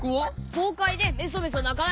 ごうかいでメソメソなかない！